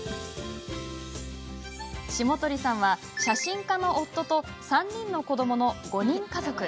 下鳥さんは写真家の夫と３人の子どもの５人家族。